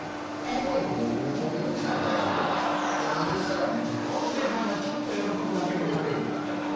何ですかあれ。